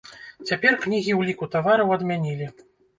Цяпер кнігі ўліку тавараў адмянілі.